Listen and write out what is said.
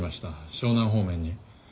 湘南方面に。